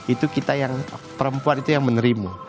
itu kita yang perempuan itu yang menerima